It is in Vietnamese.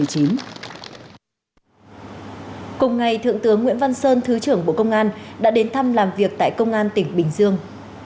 cùng ngày thượng tướng nguyễn văn sơn thứ trưởng bộ công an đã đến thăm làm việc tại công an tỉnh bình dương